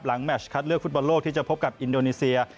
แมชคัดเลือกฟุตบอลโลกที่จะพบกับอินโดนีเซีย